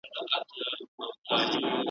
د جانان دي زکندن دی د سلګیو جنازې دي ,